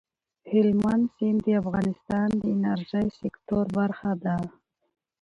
هلمند سیند د افغانستان د انرژۍ د سکتور برخه ده.